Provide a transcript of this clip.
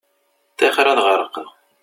Ṭṭixer ad ɣerqeɣ.